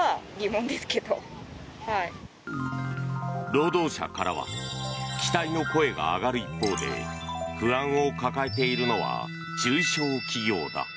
労働者からは期待の声が上がる一方で不安を抱えているのは中小企業だ。